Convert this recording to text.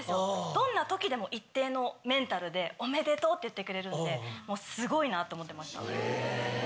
どんな時でも一定のメンタルでおめでとうって言ってくれるのですごいなと思ってました。